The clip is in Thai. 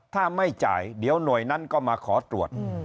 ถ้าไม่จ่ายเดี๋ยวหน่วยนั้นก็มาขอตรวจ